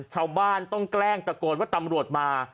ชาวบ้านต้องแกล้งตะโกนว่าตำรวจมา